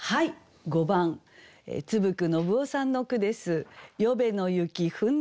５番津布久信雄さんの句です。